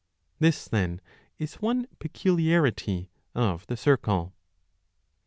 This, then, is one peculiarity of the circle.